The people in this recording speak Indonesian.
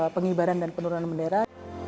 pengibaran dan penurunan bendera